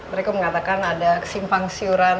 mereka mengatakan ada kesimpangsiuran